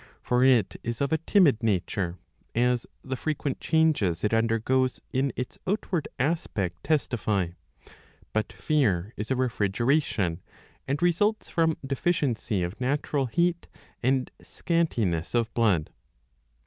For it is of a timid nature, as the frequent changes it undergoes in its outward aspect testify.^ But fear is a refrigeration, and results from deficiency of natural heat and scantiness of blood.